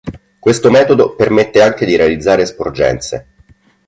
Questo metodo permette anche di realizzare sporgenze.